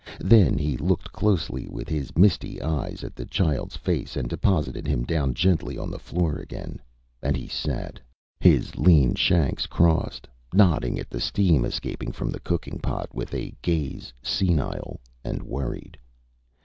Then he looked closely with his misty eyes at the childÂs face and deposited him down gently on the floor again. And he sat, his lean shanks crossed, nodding at the steam escaping from the cooking pot with a gaze senile and worried.